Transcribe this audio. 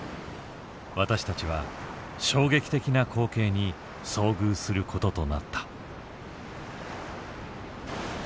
私たちは衝撃的な光景に遭遇することとなった。